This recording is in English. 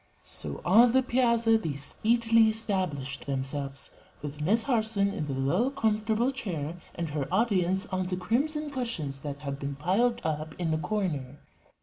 So on the piazza they speedily established themselves, with Miss Harson in the low, comfortable chair and her audience on the crimson cushions that had been piled up in a corner.